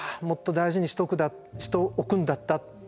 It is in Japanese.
もっと大事にしておくんだった。